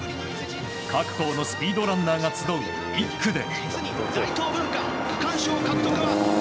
各校のスピードランナーが集う１区で。